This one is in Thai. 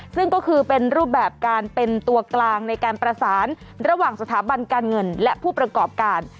ซึ่งก็คือเป็นรูปแบบการเป็นตัวกลางในการประสานระหว่างสถาบันการเงินและผู้ประกอบการ